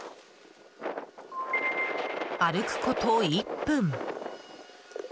歩くこと１分。